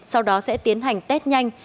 sau đó sẽ tiến hành test nhanh